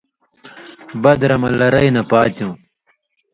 بدرہ مہ لرئ نہ پاتیُوں